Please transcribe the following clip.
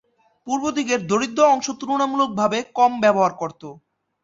পূর্বদিকের দরিদ্র অংশ তুলনামূলকভাবে কম ব্যবহার করত।